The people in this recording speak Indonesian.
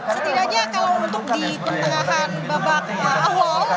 setidaknya kalau untuk di pertengahan babak awal